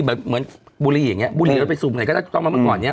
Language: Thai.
แบบเหมือนบุรีอย่างเงี้ยบุรีแล้วไปสูบไหนก็ต้องมามาก่อนเนี้ย